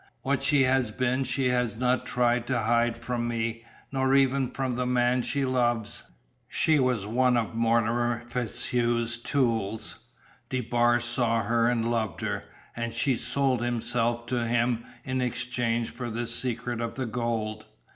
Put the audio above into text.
What she has been she has not tried to hide from me, nor even from the man she loves. She was one of Mortimer FitzHugh's tools. DeBar saw her and loved her, and she sold herself to him in exchange for the secret of the gold.